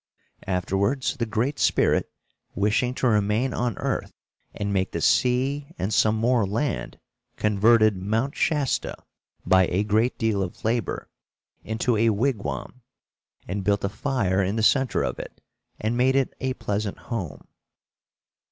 Afterwards, the Great Spirit, wishing to remain on earth and make the sea and some more land, converted Mount Shasta, by a great deal of labor, into a wigwam, and built a fire in the center of it and made it a pleasant home.